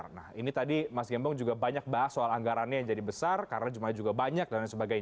nah ini tadi mas gembong juga banyak bahas soal anggarannya yang jadi besar karena jumlahnya juga banyak dan lain sebagainya